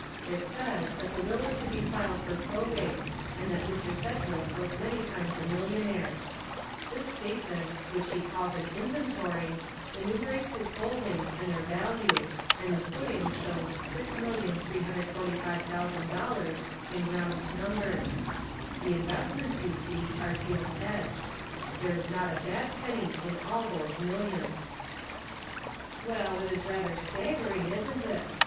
It says that the will is to be filed for probate and that Mr. Sedgwick was many times a millionaire. This statement, which he calls an inventory, enumerates his holdings and their value, and the footing shows $6,345,000 in round numbers. The investments, you see, are gilt edged. There is not a bad penny in all those millions." "Well, it is rather staggering, isn't it?"